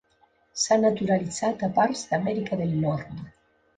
S'ha naturalitzat a parts d'Amèrica del Nord.